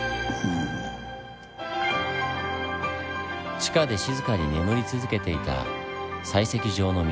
地下で静かに眠り続けていた採石場の水。